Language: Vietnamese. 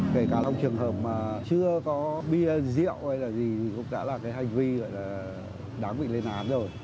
kể cả trong trường hợp mà chưa có bia rượu hay là gì cũng đã là cái hành vi gọi là đáng bị lên án rồi